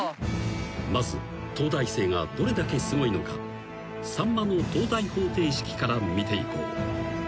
［まず東大生がどれだけすごいのか『さんまの東大方程式』から見ていこう］